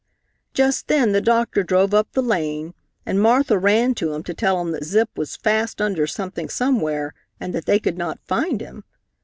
Just then the doctor drove up the lane, and Martha ran to him to tell him that Zip was fast under something somewhere and that they could not find him.